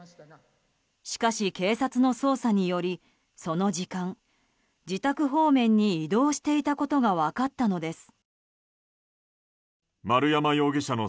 しかし、警察の捜査によりその時間自宅方向に移動していたことが分かったのです。